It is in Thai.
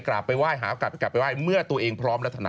กลับไปไหว้เมื่อตัวเองพร้อมและถนน